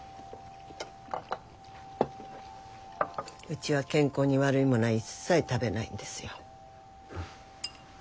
うちは健康に悪いものは一切食べないんですよ。